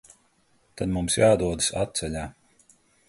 Tad mums jādodas atceļā.